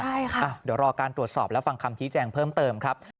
เดี๋ยวรอการตรวจสอบแล้วฟังคำที่แจ้งเพิ่มเติมครับ